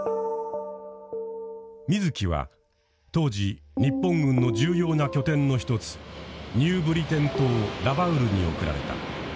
水木は当時日本軍の重要な拠点の一つニューブリテン島ラバウルに送られた。